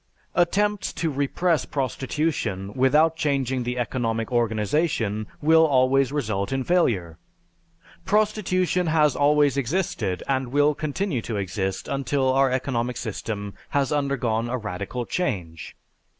Attempts to repress prostitution without changing the economic organization will always result in failure. Prostitution has always existed and will continue to exist until our economic system has undergone a radical change.